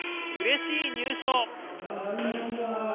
うれしい入賞。